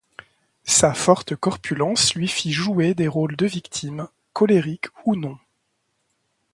Sa forte corpulence lui fit jouer des rôles de victimes, colériques ou non.